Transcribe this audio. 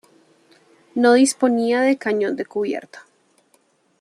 No disponía de cañón de cubierta.